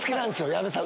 矢部さん